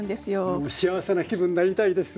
僕も幸せな気分になりたいです。